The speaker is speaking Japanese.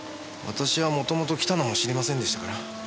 私はもともと来たのも知りませんでしたから。